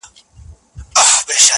• هسي نه چي د زمان خزان دي یوسي -